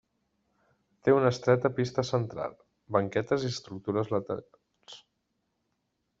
Té una estreta pista central, banquetes i estructures laterals.